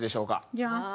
いけます。